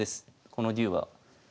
この竜は。